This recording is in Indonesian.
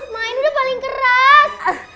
ma ini udah paling keras